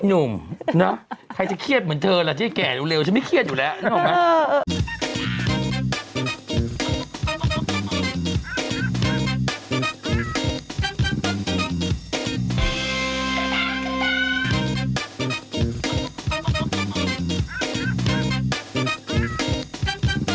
หนุ่มเนาะใครจะเครียดเหมือนเธอล่ะที่แก่เร็วฉันไม่เครียดอยู่แล้วนึกออกไหม